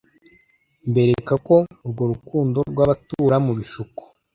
mbereka ko urwo rukundo rwabatura mu bishuko”